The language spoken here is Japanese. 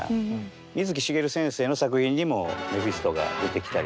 水木しげる先生の作品にもメフィストが出てきたりとか。